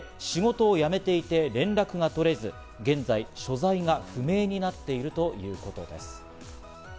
この男性、仕事を辞めていて、連絡が取れず、現在所在が不明になっているということです。